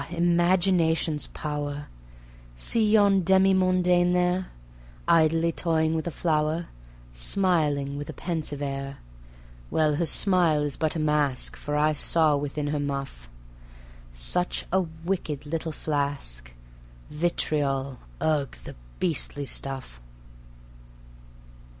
Imagination's power) See yon demi mondaine there, Idly toying with a flower, Smiling with a pensive air ... Well, her smile is but a mask, For I saw within her muff Such a wicked little flask: Vitriol ugh! the beastly stuff.